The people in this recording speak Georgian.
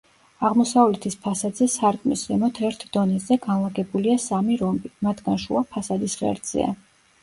აღმოსავლეთის ფასადზე სარკმლის ზემოთ, ერთ დონეზე, განლაგებულია სამი რომბი; მათგან შუა ფასადის ღერძზეა.